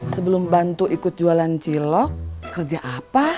sebelum bantu ikut jualan cilok kerja apa